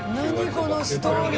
このストーリー。